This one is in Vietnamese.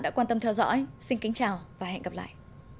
đã quan tâm theo dõi xin kính chào và hẹn gặp lại